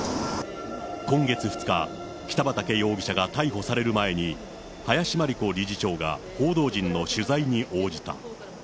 今月２日、北畠容疑者が逮捕される前に、林真理子理事長が報道陣の取材に応じた。